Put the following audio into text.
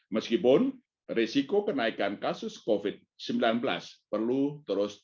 meskipun risiko kenaikan kasus covid sembilan belas perlu terus